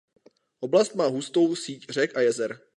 Oblast má hustou síť řek a jezer.